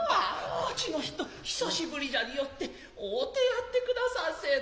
こちの人久し振りじゃによって負うてやって下さんせえな。